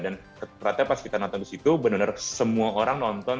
dan ternyata pas kita nonton di situ benar benar semua orang nonton